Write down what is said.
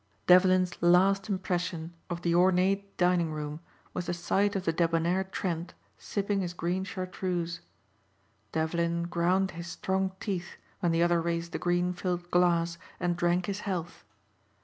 Devlin's last impression of the ornate dining room was the sight of the debonair Trent sipping his green chartreuse. Devlin ground his strong teeth when the other raised the green filled glass and drank his health.